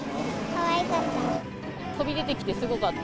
かわいかった。